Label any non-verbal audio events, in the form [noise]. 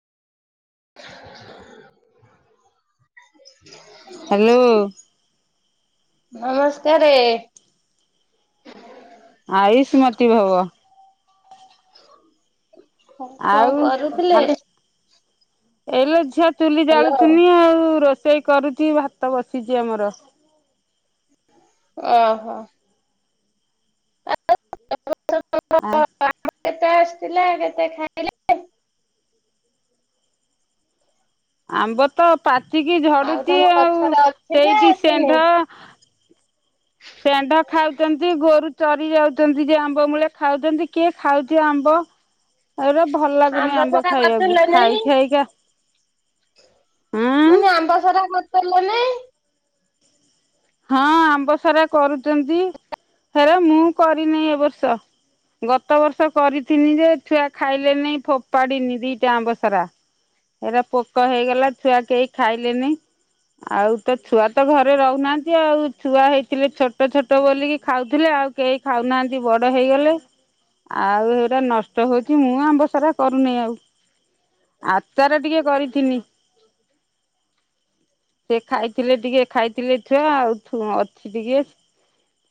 [inaudible] Hello. ନମସ୍କାରେ ଆଇଷ ମାଟି ଭବ। ହଁ କଣ ଆଉ କରୁଥିଲେ? ଏଇଲୋ ଝିଅ ତୁଲି ହ୍ୟାଲୋ ଜାଳୁଥିନି ଆଉ ର ସେେଇ କରୁଛି ଭାତ ବସିଛି ଆମର। ଓହୋ [unintelligible] ଆ କେତେ ଟେଷ୍ଟ ଲାଗତେ ଖାଇଲେ। ଆମ୍ବ ତ ପାଚିକି ଆଉ ଝଡୁଛି ତମ ଆଉ ଗଛରେ ଅଛି ନା ସେଇଠି ଆସିନି? ସେଣ୍ଢ ଶେଣ୍ଢ ଖାଉଛନ୍ତି ଗୋରୁ ଚରି ଯାଉ ଯେ ଆମ୍ବ ମୂଳେ ଖାଉଛନ୍ତି କିଏ ଖାଉଛି ଆମ୍ବ ଆଉ ଭଲ ଲାଗୁନି ଆମ୍ବ ସରା ଖାଇବାକୁ କରିଦେଲ ନାଇଁ ଖାଇ ଖାଇକା। ହଁ ମାନେ ଆମ୍ବାସାରା କିଲ ନାଇଁ ହଁ ଆମ୍ବସାରା କରୁଛନ୍ତି ହେରା ମୁଁ କରିନି ଏ ବର୍ଷ ଗତ ବର୍ଷ କରିଥିନି ଯେ ଛୁଆ ଖାଇଲେନି ଫୋପାଡିନି ଦିଟା ଆମ୍ବସାରା ହେରା ପୋକ ହେଇଗଲା ଛୁଆ କେହି ଖାଇଲେନି ଆଉ ତ ଛୁଆ ତ ଘରେ ରହୁନାହାନ୍ତି। ଆଉ ଛୁଆ ହେଇଥିଲେ ଛୋଟ ଛୋଟ ବୋଲିକି ଖାଉଥିଲେ ଆଉ କେହି ଖାଉନାହାନ୍ତି ବଡ ହେଇଗଲେ ଆଉ ସେଇଟା ନଷ୍ଟ ହଉଛି ମୁଁ ଆମ୍ବ ସାରା କରୁନି ଆଉ ଆଚାର ଟିକେ କରିଥିନି ସେ ଖାଇଥିଲେ ଟିକେ ଖାଇଥିଲେ। ୁଆ ଆଉ ୁ ଅଛି ଟିକେଏ